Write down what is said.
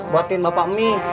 buatin bapak mie ya